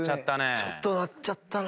ちょっと鳴っちゃったな。